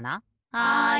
はい！